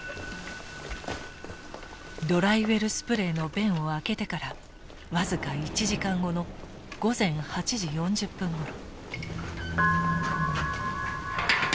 ドライウェルスプレイの弁を開けてから僅か１時間後の午前８時４０分ごろ。